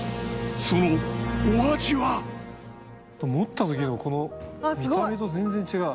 そのお味は持った時のこの見た目と全然違う。